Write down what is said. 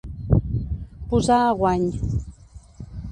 Posar a guany.